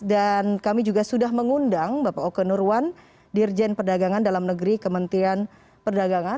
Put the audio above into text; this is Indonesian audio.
dan kami juga sudah mengundang bapak oke nurwan dirjen perdagangan dalam negeri kementerian perdagangan